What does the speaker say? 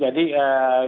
jadi dengan itu ya